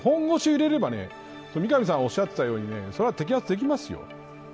本腰を入れれば三上さんおっしゃっていたように摘発できます。